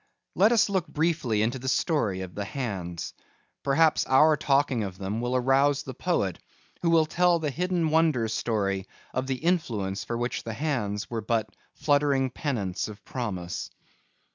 Let us look briefly into the story of the hands. Perhaps our talking of them will arouse the poet who will tell the hidden wonder story of the influence for which the hands were but fluttering pennants of promise.